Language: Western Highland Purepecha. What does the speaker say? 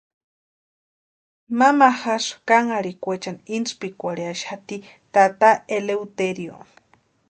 Mamajasï kánharhikwechani intsïpikwarhixati tata Eleuterio.